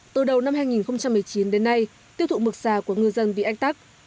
từ đầu năm hai nghìn một mươi chín đến nay tiêu thụ mực xà của ngư dân bị ánh tắc